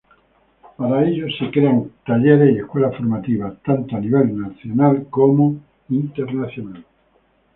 Para ello se crean talleres y escuelas formativas tanto a nivel nacional como internacional.